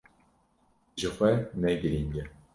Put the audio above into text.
Jixwe ne girîng e.